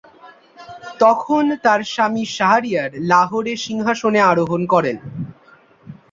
তখন তার স্বামী শাহরিয়ার লাহোরে সিংহাসনে আরোহণ করেন।